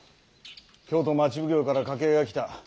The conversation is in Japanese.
京都町奉行から掛け合いが来た。